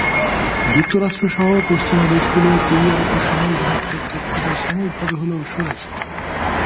যুক্তরাষ্ট্রসহ পশ্চিমা দেশগুলো সিরিয়ার ওপর সামরিক হস্তক্ষেপ নেওয়া থেকে সাময়িকভাবে হলেও সরে এসেছে।